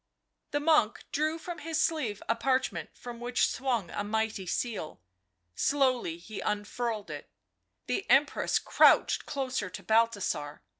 The monk drew from his sleeve a parchment from which swung a mighty seal, slo, wly he unfurled it; the Empress crouched closer to Balthasar.